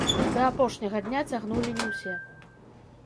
Да апошняга дня цягнулі не ўсе.